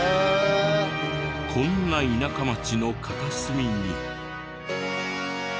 こんな田舎町の片隅に。